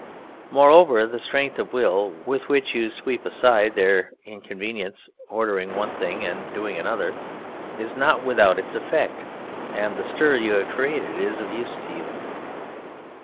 Moreover the strength of will with which you sweep aside their inconvenience, ordering one thing and doing another, is not without its effect, and the stir you have created is of use to you.